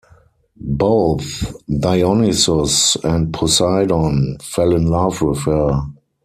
Both Dionysus and Poseidon fell in love with her.